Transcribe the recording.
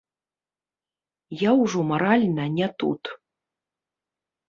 Я ўжо маральна не тут.